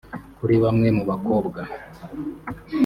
kuri bamwe mu bakobwa